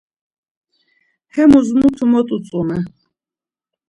Hemos mutu mot utzume.